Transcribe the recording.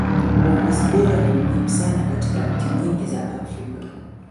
uongozi bora ni muhimu sana katika nchi nyingi za kiafrika